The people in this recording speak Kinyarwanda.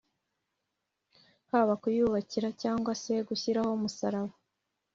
haba kuyubakira cyangwa se gushyiraho umusaraba